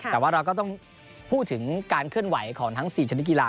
แต่ว่าเราก็ต้องพูดถึงการเคลื่อนไหวของทั้ง๔ชนิดกีฬา